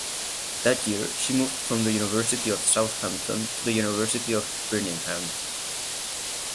That year she moved from the University of Southampton to the University of Birmingham.